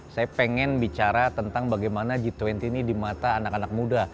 saya pengen bicara tentang bagaimana g dua puluh ini di mata anak anak muda